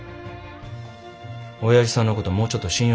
おやじさんのこともうちょっと信用したって。